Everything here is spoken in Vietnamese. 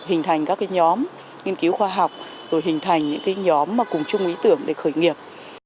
hình thành các nhóm nghiên cứu khoa học rồi hình thành những cái nhóm mà cùng chung ý tưởng để khởi nghiệp